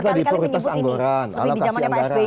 jelas tadi prioritas anggaran alokasi anggaran